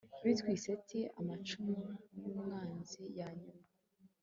Betwixt amacumu yumwanzi yanyuma